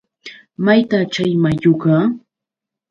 ¿mayta chay mayuqa?